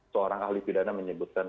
seorang ahli pidana menyebutkan